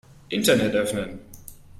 Internet öffnen.